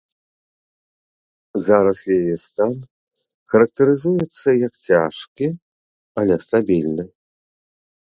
Зараз яе стан характарызуецца як цяжкі, але стабільны.